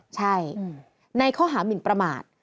ใช่ในข้อหามินประมาท